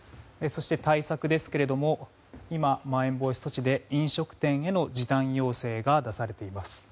そして対策ですけれども今、まん延防止措置で飲食店への時短要請が出されています。